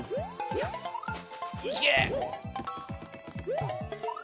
いけ！